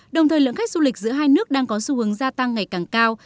đồng thời lượng khách du lịch giữa hai nước đang có xu hướng gia tăng ngày càng cao